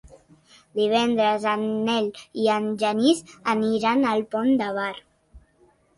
Divendres en Nel i en Genís aniran al Pont de Bar.